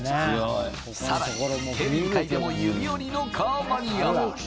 さらに競輪界でも指折りのカーマニア。